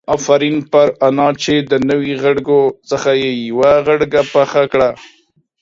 آفرين دي پر انا چې د نو غړکو څخه يې يوه غړکه پخه کړه.